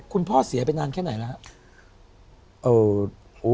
คุณพ่อเสียไปนานแค่ไหนแล้ว